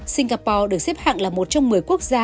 singapore được xếp hạng là một trong một mươi quốc gia